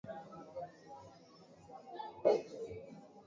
na kwa umri wangu na kwa uzoefu wangu wa mji huu